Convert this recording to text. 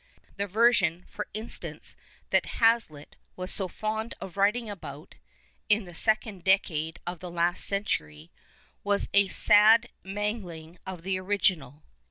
The version, for instance, tiiat Ha/.iitt was so fond of writing alx^ut (in the second decade of the last century) was a sad mangling of the original.